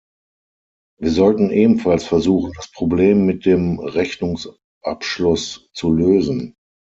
Wir sollten ebenfalls versuchen, das Problem mit dem Rechnungsabschluss zu lösen.